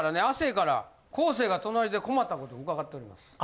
亜生から昴生が隣で困ったことを伺っております。